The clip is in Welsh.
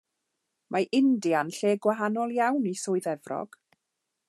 Mae India'n lle gwahanol iawn i Swydd Efrog.